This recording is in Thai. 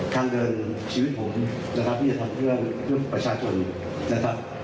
ทางเดินชีวิตผมนะครับที่จะทำเพื่อประชาชนนะครับ